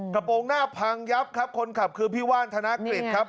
กระโปรงหน้าพังยับครับคนขับคือพี่ว่านธนกฤษครับ